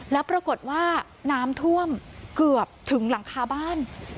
แล้วปรากฏว่าน้ำท่วมเกือบถึงหลังคาบ้าน